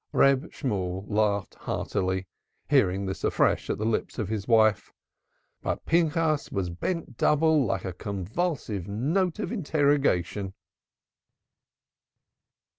'" Reb Shemuel laughed heartily, hearing this afresh at the lips of his wife. But Pinchas was bent double like a convulsive note of interrogation.